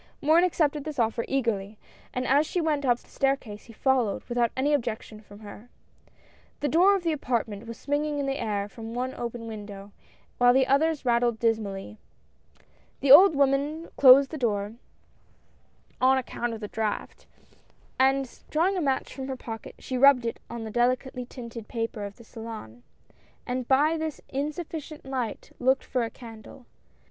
Morin accepted this offer eagerly, and as she went up the staircase, he followed without any objection from her. The door of " the apartment " was swinging in the air from one open window, while the others rattled dismally. The old woman closed the door, "on ac count of the draught," and drawing a match from her pocket she rubbed it on the delicately tinted paper of A SURPRISE. 183 the salon, and by this insufficient light looked for a candle.